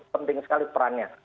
penting sekali perannya